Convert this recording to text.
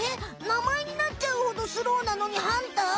なまえになっちゃうほどスローなのにハンター？